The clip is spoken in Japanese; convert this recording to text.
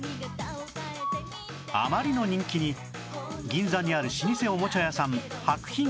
あまりの人気に銀座にある老舗おもちゃ屋さん博品館でも